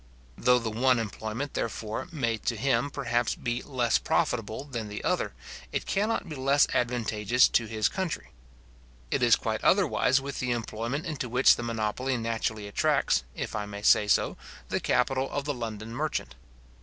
Though the one employment, therefore, may to him perhaps be less profitable than the other, it cannot be less advantageous to his country. It is quite otherwise with the employment into which the monopoly naturally attracts, if I may say so, the capital of the London merchant.